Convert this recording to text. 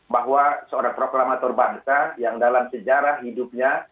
bahwa seorang proklamator bangsa yang dalam sejarah hidupnya